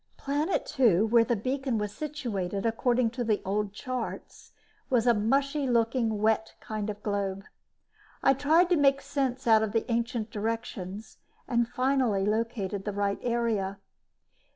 Planet two, where the beacon was situated according to the old charts, was a mushy looking, wet kind of globe. I tried to make sense out of the ancient directions and finally located the right area.